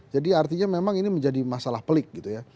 jadi artinya memang ini menjadi masalah pelik